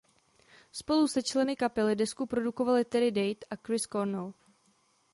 Spolu se členy kapely desku produkovali Terry Date a Chris Cornell.